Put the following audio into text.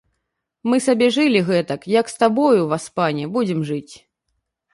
Мы сабе жылі гэтак, як з табою, васпане, будзем жыць.